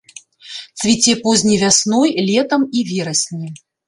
Цвіце позняй вясной, летам і верасні.